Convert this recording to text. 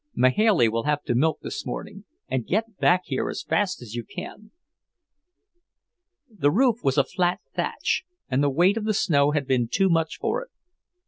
Mahailey will have to milk this morning, and get back here as fast as you can." The roof was a flat thatch, and the weight of the snow had been too much for it.